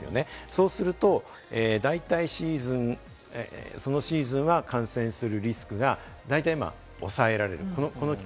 そうすると大体そのシーズンは感染するリスクが大体抑えられる。